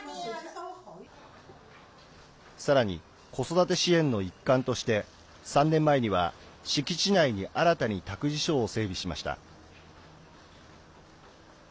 さらに子育て支援の一環として３年前には、敷地内に新たに託児所を整備しました。